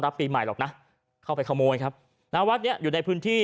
ปีใหม่หรอกนะเข้าไปขโมยครับณวัดเนี้ยอยู่ในพื้นที่